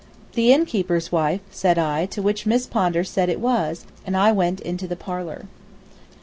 "The innkeeper's wife?" said I; to which Miss Pondar said it was, and I went into the parlor.